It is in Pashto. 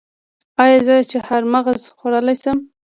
ایا زه چهارمغز خوړلی شم؟